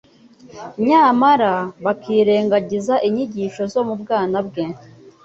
nyamara bakirengagiza inyigisho zo mu bwana bwe.